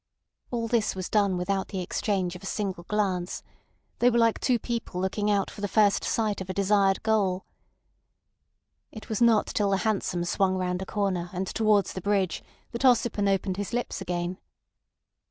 All this was done without the exchange of a single glance; they were like two people looking out for the first sight of a desired goal. It was not till the hansom swung round a corner and towards the bridge that Ossipon opened his lips again.